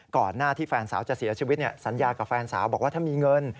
ก่อนหน้าที่แฟนสาวจะเสียชีวิตสัญญากับแฟนสาวบอกว่าถ้ามีเงิน